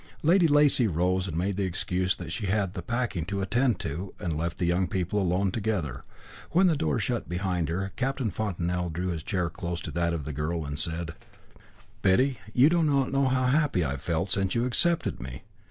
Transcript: Lady Lacy rose, made the excuse that she had the packing to attend to, and left the young people alone together. When the door was shut behind her, Captain Fontanel drew his chair close to that of the girl and said "Betty, you do not know how happy I have felt since you accepted me.